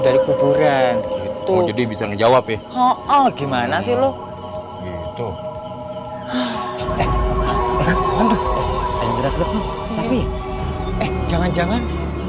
dari kuburan itu jadi bisa menjawab ya oh gimana sih lu itu eh eh jangan jangan